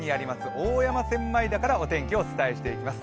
大山千枚田からお天気をお伝えしています。